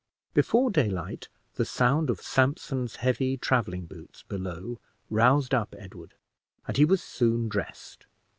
Before daylight, the sound of Sampson's heavy traveling boots below roused up Edward, and he was soon dressed.